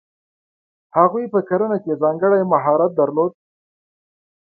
هغوی په کرنه کې ځانګړی مهارت درلود.